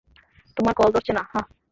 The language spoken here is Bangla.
তোমার কল ধরছে না, হাহ?